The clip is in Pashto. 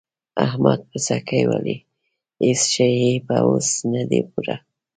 احمد پسکۍ ولي؛ هيڅ شی يې په وس نه دی پوره.